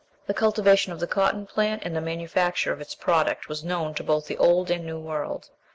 The cultivation of the cotton plant and the manufacture of its product was known to both the Old and New World.